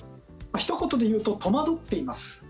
ひと言で言うと戸惑っています。